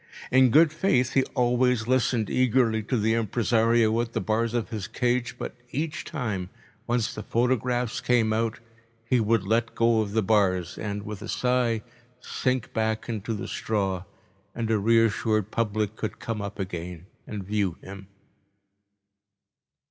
In good faith he always listened eagerly to the impresario at the bars of his cage, but each time, once the photographs came out, he would let go of the bars and, with a sigh, sink back into the straw, and a reassured public could come up again and view him.